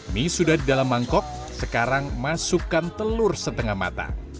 mie sudah di dalam mangkok sekarang masukkan telur setengah mata